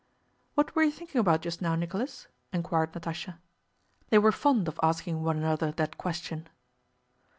"What were you thinking about just now, Nicholas?" inquired Natásha. They were fond of asking one another that question.